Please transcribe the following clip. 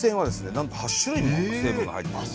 なんと８種類もの成分が入っている。